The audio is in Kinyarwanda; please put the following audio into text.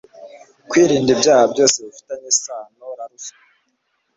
kwirinda ibyaha byose bifitanye isano ra ruswa